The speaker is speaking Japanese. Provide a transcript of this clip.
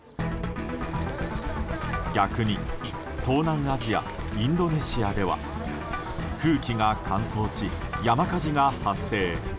逆に東南アジアインドネシアでは空気が乾燥し、山火事が発生。